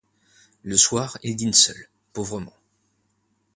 Le soir, il dîne seul, pauvrement.